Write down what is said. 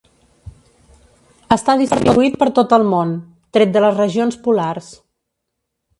Està distribuït per tot el món, tret de les regions polars.